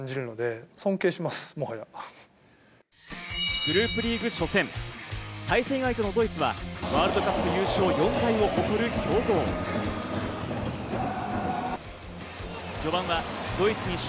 グループリーグ初戦、対戦相手のドイツは、ワールドカップ優勝４回を誇る強豪・ドイツ。